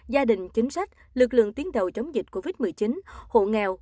gia đình chính sách lực lượng tiến đầu chống dịch covid một mươi chín hộ nghèo